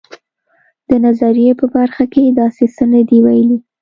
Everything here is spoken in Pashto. د نظریې په برخه کې داسې څه نه دي ویلي.